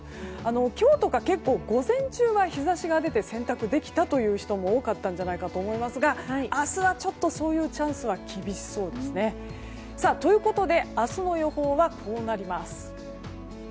今日とか午前中は日差しが出て洗濯できたという人も多かったと思いますが明日はちょっとそういうチャンスは厳しそうですね。ということで明日の予報はこうなります。